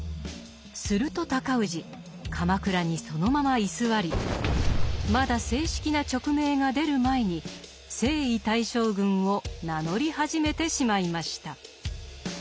すると尊氏鎌倉にそのまま居座りまだ正式な勅命が出る前に征夷大将軍を名乗り始めてしまいました。